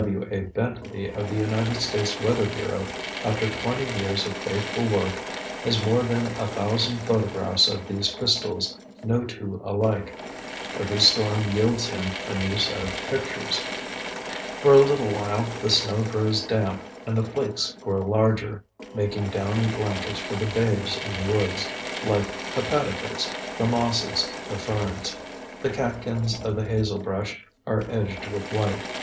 W. A. Bentley, of the United States weather bureau, after twenty years of faithful work, has more than a thousand photographs of these crystals, no two alike. Every storm yields him a new set of pictures. For a little while the snow grows damp and the flakes grow larger, making downy blankets for the babes in the woods the hepaticas, the mosses, the ferns. The catkins of the hazelbrush are edged with white.